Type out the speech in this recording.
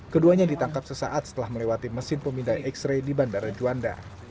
keduanya ditangkap sesaat setelah melewati mesin pemindai x ray di bandara juanda